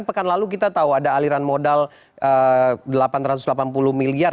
pekan lalu kita tahu ada aliran modal delapan ratus delapan puluh miliar